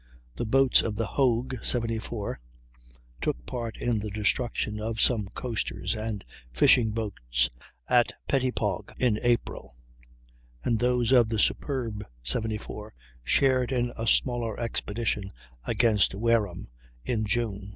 The boats of the Hogue, 74, took part in the destruction of some coasters and fishing boats at Pettipauge in April; and those of the Superb, 74, shared in a similar expedition against Wareham in June.